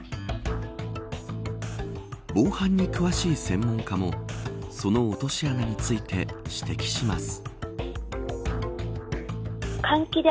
防犯に詳しい専門家もその落とし穴について指摘します。